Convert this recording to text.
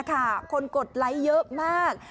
คนกดไลค์เยอะมาก